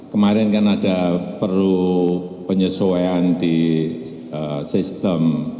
kemarin kan ada perlu penyesuaian di sistem